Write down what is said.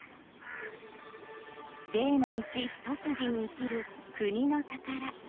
芸の道一筋に生きる国のたから。